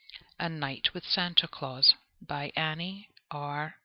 A Night with Santa Claus ANNIE R.